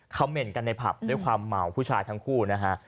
เหม็นกันในผับด้วยความเมาผู้ชายทั้งคู่นะฮะ